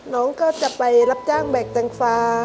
น้องก็จะไปรับจ้างแบกแตงฟ้า